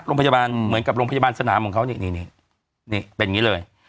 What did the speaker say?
โรงพยาบาลเหมือนกับโรงพยาบาลสนามของเขานี่นี่เป็นอย่างนี้เลย